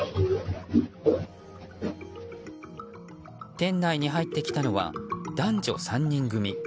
店内に入ってきたのは男女３人組。